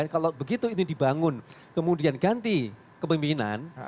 kalau begitu ini dibangun kemudian ganti ke pembimbingan